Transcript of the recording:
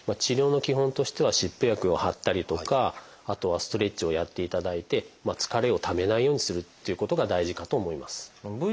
治療の基本としては湿布薬を貼ったりとかあとはストレッチをやっていただいて疲れをためないようにするっていうことが大事かと思います。